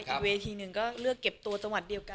อีกเวทีหนึ่งก็เลือกเก็บตัวจังหวัดเดียวกัน